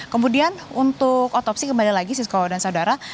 kemudian untuk otopsi kembali lagi siswa dan saudara